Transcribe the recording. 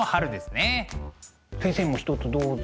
先生も一つどうぞ。